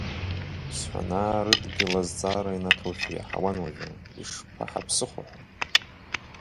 Ԥсҳәанаа рыдгьыл азҵаара инаҭоушәа иаҳауан уажәы, ишԥаҳаԥсыхәо, ҳәа.